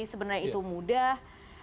sebenarnya itu mudah